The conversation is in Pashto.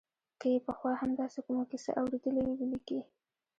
که یې پخوا هم داسې کومه کیسه اورېدلې وي ولیکي.